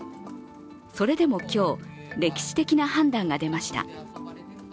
それでも今日、歴史的な判断が出ました。